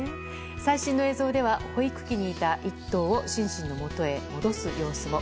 最新の映像では保育器にいた１頭をシンシンの元へ戻す様子も。